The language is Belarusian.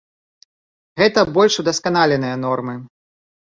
Гэта больш удасканаленыя нормы.